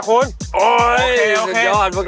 หือ